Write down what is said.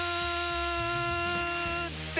って